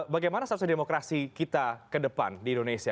bagaimana seharusnya demokrasi kita ke depan di indonesia